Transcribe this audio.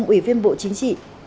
đồng ủy viên bộ chính trị